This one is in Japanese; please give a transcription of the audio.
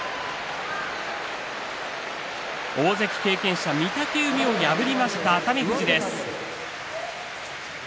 大関経験者、御嶽海を破りました熱海富士です。